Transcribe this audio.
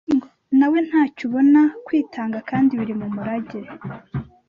nawe ntacyo ubona, kwitanga kandi biri mu murage